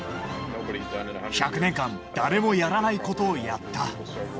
１００年間、誰もやらないことをやった。